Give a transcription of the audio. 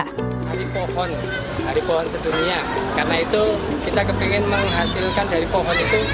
hari pohon hari pohon sedunia karena itu kita ingin menghasilkan dari pohon itu